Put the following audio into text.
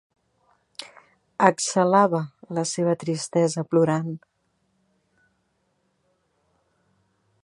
Exhalava la seva tristesa plorant.